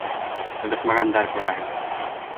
Төҙәтмәгәндәр, күрәһең.